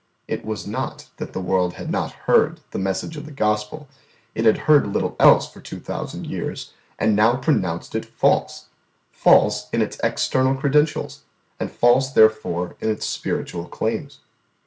It was not that the world had not heard the message of the Gospel; it had heard little else for two thousand years, and now pronounced it false false in its external credentials, and false therefore in its spiritual claims.